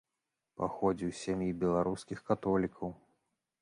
Паходзіў з сям'і беларускіх католікаў.